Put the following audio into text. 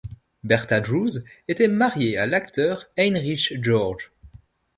Berta Drews était mariée à l'acteur Heinrich George.